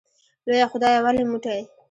لویه خدایه ولې موټی